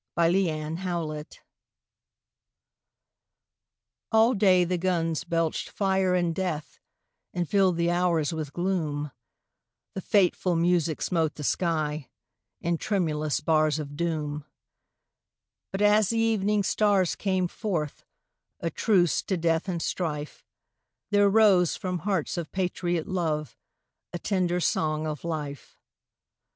89 IN THE TRENCHES. ALL day the guns belched fire and death And filled the hours with gloom; The fateful music smote the sky In tremulous bars of doom ; But as the evening stars came forth A truce to death and strife, There rose from hearts of patriot love A tender song of life.